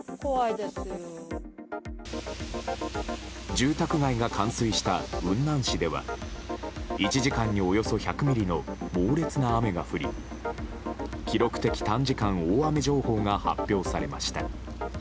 住宅街が冠水した雲南市では１時間におよそ１００ミリの猛烈な雨が降り記録的短時間大雨情報が発表されました。